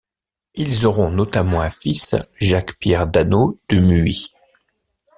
Ils auront notamment un fils, Jacques-Pierre Daneau de Muy.